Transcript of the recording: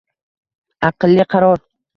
Aqlli qaror